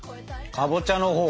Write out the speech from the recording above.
かぼちゃのほう。